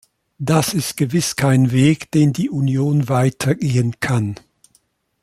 Das ist gewiss kein Weg, den die Union weiter gehen kann.